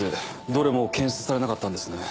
どれも検出されなかったんですね。